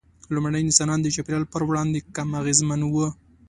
لومړني انسانان د چاپېریال پر وړاندې کم اغېزمن وو.